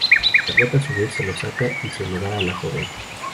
Charlot a su vez se lo saca y se lo da a la joven.